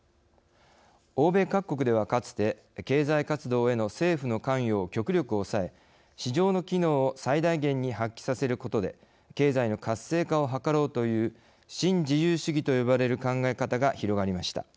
欧米各国ではかつて経済活動への政府の関与を極力抑え市場の機能を最大限に発揮させることで経済の活性化を図ろうという新自由主義と呼ばれる考え方が広がりました。